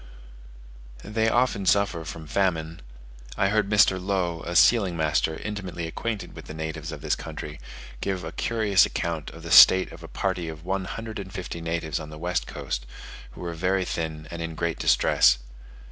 They often suffer from famine: I heard Mr. Low, a sealing master intimately acquainted with the natives of this country, give a curious account of the state of a party of one hundred and fifty natives on the west coast, who were very thin and in great distress.